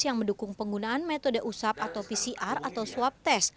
yang mendukung penggunaan metode usap atau pcr atau swab test